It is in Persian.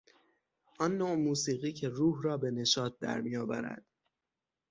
آن نوع موسیقی که روح را به نشاط در میآورد.